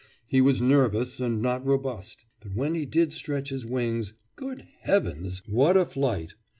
He was nervous and not robust; but when he did stretch his wings good heavens! what a flight!